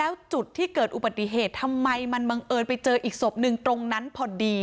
แล้วจุดที่เกิดอุบัติเหตุทำไมมันบังเอิญไปเจออีกศพหนึ่งตรงนั้นพอดี